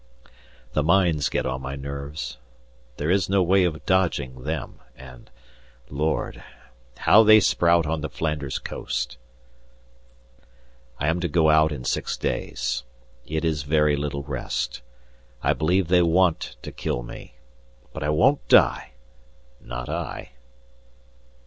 The mines get on my nerves, there is no way of dodging them, and Lord! how they sprout on the Flanders coast. I am to go out in six days. It is very little rest. I believe they want to kill me. But I won't die! Not I.